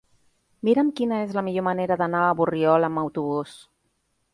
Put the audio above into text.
Mira'm quina és la millor manera d'anar a Borriol amb autobús.